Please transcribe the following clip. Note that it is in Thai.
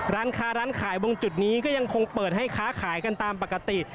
ร้านค้าร้านขายตรงจุดนี้ก็ยังคงเปิดให้ค้าขายกันตามปกติ